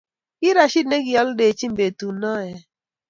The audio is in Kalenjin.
ki Radhid nekiolindenyin betunoee